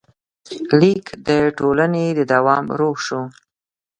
لیک د ټولنې د دوام روح شو.